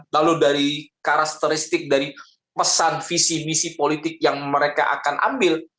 lalu dari karakteristik dari pesan visi misi politik yang mereka akan ambil